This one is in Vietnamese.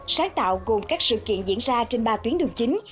sáng tạo gồm các sự kiện diễn ra trên ba tuyến đường chính